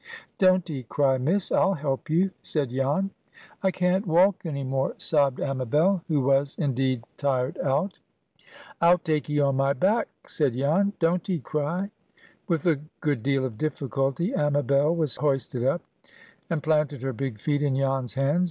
"Don't 'ee cry, Miss. I'll help you," said Jan. "I can't walk any more," sobbed Amabel, who was, indeed, tired out. "I'll take 'ee on my back," said Jan. "Don't 'ee cry." With a good deal of difficulty, Amabel was hoisted up, and planted her big feet in Jan's hands.